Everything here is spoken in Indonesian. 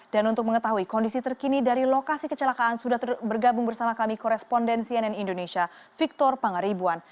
dan untuk mengetahui kondisi terkini dari lokasi kecelakaan sudah bergabung bersama kami korespondensi nn indonesia victor pangaribuan